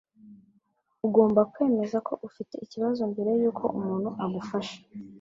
Ugomba kwemeza ko ufite ikibazo mbere yuko umuntu agufasha.